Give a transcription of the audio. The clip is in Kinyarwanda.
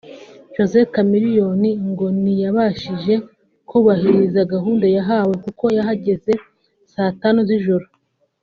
Jose Chameleone ngo ntiyabashije kubahiriza gahunda yahawe kuko yahageze Saa Tanu z'ijoro